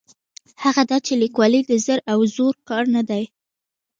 هغه دا چې لیکوالي د زر او زور کار نه دی.